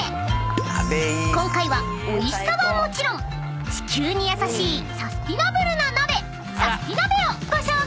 ［今回はおいしさはもちろん地球に優しいサスティナブルな鍋サスティ鍋をご紹介！］